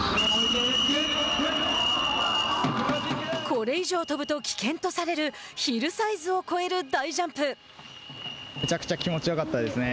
これ以上飛ぶと危険とされるヒルサイズを越える大ジャンプ。